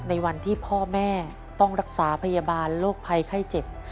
ในวันที่พ่อแม่ต้องรักษาพยาบาลโรคภัยไข้เจ็บ